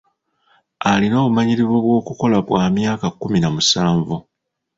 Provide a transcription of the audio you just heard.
Alina obumanyirivu bw'okukola bwa myaka kkumi na musanvu.